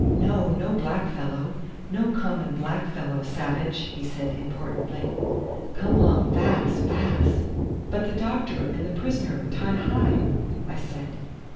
"No, no black fellow no common black fellow sabbage," he said importantly. "Come long fas, fas." "But the doctor and the prisoner and Ti hi?" I said.